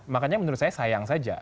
makanya menurut saya sayang saja